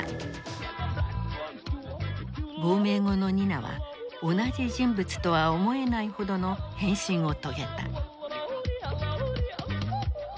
亡命後のニナは同じ人物とは思えないほどの変身を遂げた。